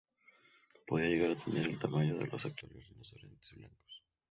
Podía llegar a tener el tamaño de los actuales rinocerontes blancos.